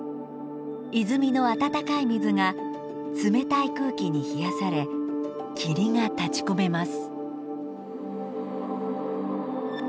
泉のあたたかい水が冷たい空気に冷やされ霧が立ちこめます。